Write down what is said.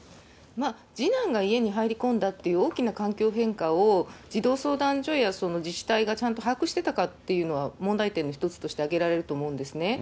次男が家に入り込んだっていう大きな環境変化を、児童相談所や自治体がちゃんと把握していたかっていうのは、問題点の一つとして挙げられると思うんですね。